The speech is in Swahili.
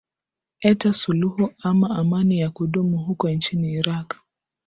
eta suluhu ama amani ya kudumu huko nchini iraq